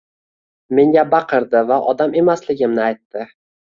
Menga baqirdi va odam emasligimni aytdi